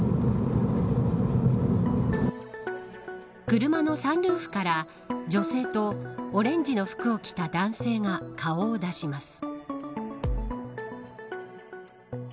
車のサンルーフから女性とオレンジの服を着た男性が顔を出します。